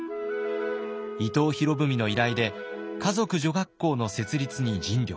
伊藤博文の依頼で華族女学校の設立に尽力。